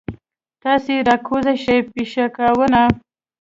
تاسې راکوز شئ پشکاوونه.